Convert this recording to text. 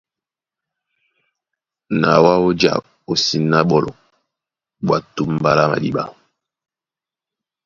Na wǎ ó ja ó síná á ɓólɔ ɓwá túmbá lá madíɓá.